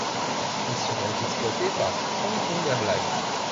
Ils seront exploités par Hong Kong Airlines.